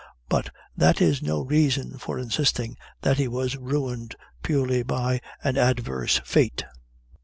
But that is no reason for insisting that he was ruined purely by an adverse fate.